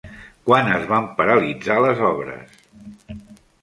Quan es van paralitzar les obres?